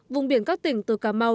vùng biển các tỉnh từ cà mau